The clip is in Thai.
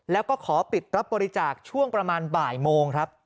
แล้วก็ขอปิดรับบริจาคช่วงประมาณบ่ายโมงครับ